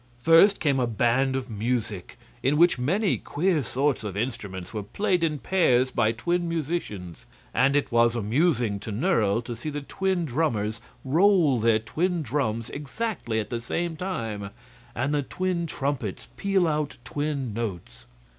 First came a band of music, in which many queer sorts of instruments were played in pairs by twin musicians; and it was amusing to Nerle to see the twin drummers roll their twin drums exactly at the same time and the twin trumpets peal out twin notes.